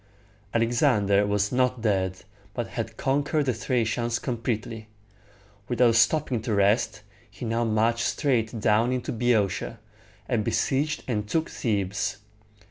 Alexander was not dead, but had conquered the Thracians completely. Without stopping to rest, he now marched straight down into Boeotia, and besieged and took Thebes.